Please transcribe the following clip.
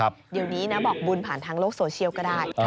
เดี๋ยวนี้นะบอกบุญผ่านทางโลกโซเชียลก็ได้